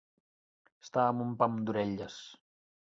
Estar amb un pam d'orelles.